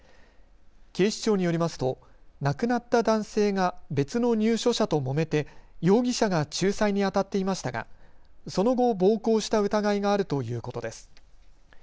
警視庁によりますと亡くなった男性が別の入所者ともめて容疑者が仲裁にあたっていましたがその後、暴行した疑いがあるということです。